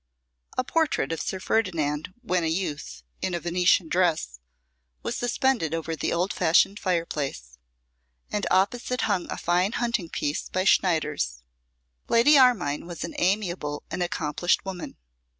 A portrait of Sir Ferdinand, when a youth, in a Venetian dress, was suspended over the old fashioned fireplace; and opposite hung a fine hunting piece by Schneiders. Lady Armine was an amiable and accomplished woman.